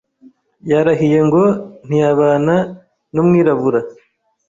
Yarahiye ngo ntiyabana numwirabura.